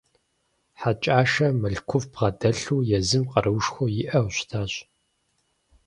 Хьэкӏашэ мылъкуфӏ бгъэдэлъу, езым къаруушхуэ иӏэу щытащ.